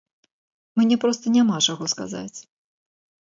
Мне проста няма чаго сказаць.